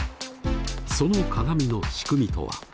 その鏡の仕組みとは？